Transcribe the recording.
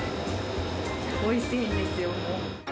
おいしいんですよ。